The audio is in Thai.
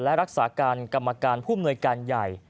และรักษาการกรรมการผู้อำนวยการใหญ่